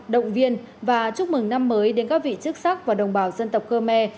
động viên và chúc mừng năm mới đến các vị chức sắc và đồng bào dân tộc khơ me